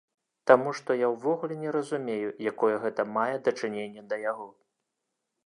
Таму што я ўвогуле не разумею, якое гэта мае дачыненне да яго.